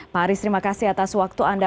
pak aris terima kasih atas waktu anda